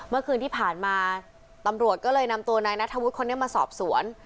เมื่อคืนที่ผ่านมาตำรวจก็เลยนำตัวนายนัทธวุฒิคนนี้มาสอบสวน